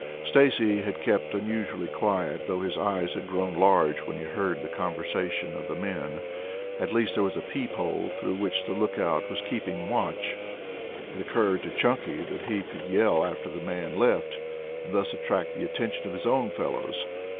Stacy had kept unusually quiet, though his eyes had grown large when he heard the conversation of the men. At least there was a peep hole through which the lookout was keeping watch. It occurred to Chunky that he could yell after the men left, and thus attract the attention of his own fellows.